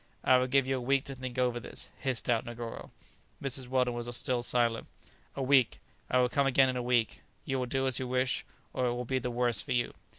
"I will give you a week to think over this," hissed out Negoro. Mrs. Weldon was still silent. "A week! I will come again in a week; you will do as I wish, or it will be the worse for you."